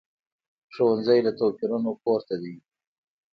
ښوونځی له توپیرونو پورته دی